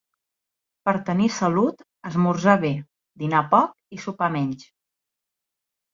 Per tenir salut: esmorzar bé, dinar poc i sopar menys.